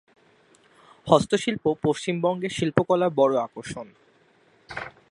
হস্তশিল্প পশ্চিমবঙ্গের শিল্পকলার বড়ো আকর্ষণ।